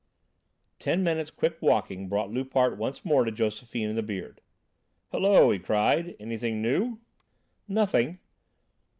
Ten minutes' quick walking brought Loupart once more to Josephine and the Beard. "Hullo!" he cried. "Anything new?" "Nothing."